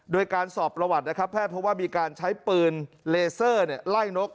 โดยการสอบระวัตรเพราะว่ามีการใช้ปืนเลเซอร์ไล่นก